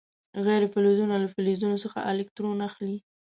غیر فلزونه له فلزونو څخه الکترون اخلي.